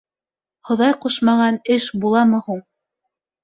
Хоҙай ҡушмаған эш буламы һуң.